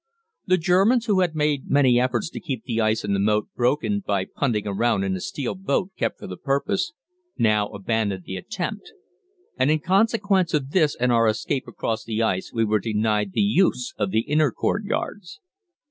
The Germans, who had made many efforts to keep the ice in the moat broken by punting round in a steel boat kept for the purpose, now abandoned the attempt, and in consequence of this and of our escape across the ice we were denied the use of the inner courtyards.